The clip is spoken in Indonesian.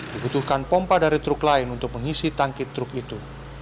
dibutuhkan pompa dari truk lain untuk mengisi tangki truk itu